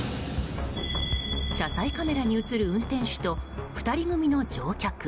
車載カメラに映る運転手と２人組の乗客。